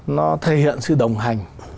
nó thể hiện sự đồng hành